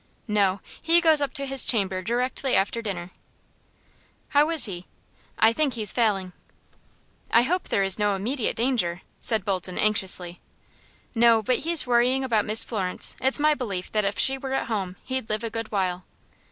"No. He goes up to his chamber directly after dinner." "How is he?" "I think he's failing." "I hope there is no immediate danger," said Bolton, anxiously. "No; but he's worrying about Miss Florence. It's my belief that if she were at home, he'd live a good while."